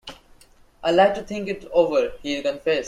"I'd like to think it over," he, confessed.